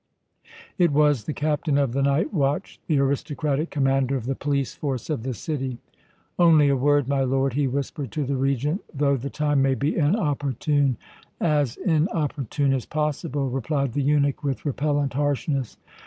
It was the captain of the nightwatch, the aristocratic commander of the police force of the city. "Only a word, my lord," he whispered to the Regent, "though the time may be inopportune." "As inopportune as possible," replied the eunuch with repellent harshness.